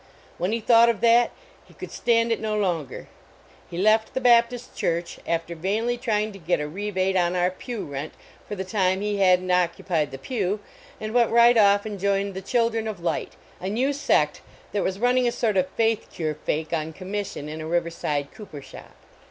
When he thought of that, he could stand it no longer. He left the Baptist church, af ter vainly trying to gel a rebate on our pew rent for the time IK hancln t occupied the pew, and went right off and joined the Chil dren of Light, a new sect that was running a sort of faith cure fake on commission in a river side cooper shop.